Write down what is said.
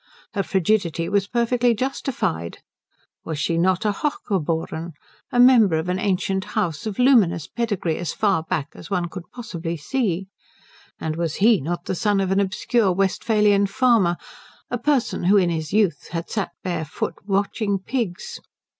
Her frigidity was perfectly justified. Was she not a hochgeboren, a member of an ancient house, of luminous pedigree as far back as one could possibly see? And was he not the son of an obscure Westphalian farmer, a person who in his youth had sat barefoot watching pigs?